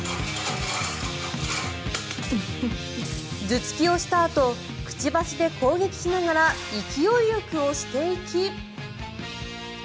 頭突きをしたあとくちばしで攻撃をしながら勢いよく押していき。